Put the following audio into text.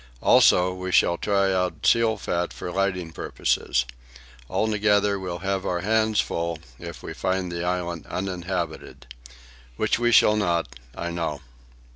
Also we shall try out seal fat for lighting purposes. Altogether, we'll have our hands full if we find the island uninhabited. Which we shall not, I know."